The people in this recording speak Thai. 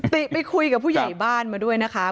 ติไปคุยกับผู้ใหญ่บ้านมาด้วยนะคะ